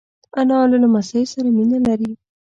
انا له لمسیو سره مینه لري